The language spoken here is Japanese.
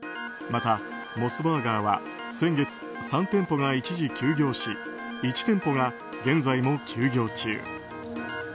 またモスバーガーは先月、３店舗が一時休業し１店舗が現在も休業中。